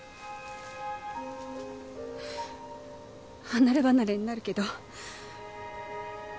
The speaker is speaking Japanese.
離ればなれになるけど。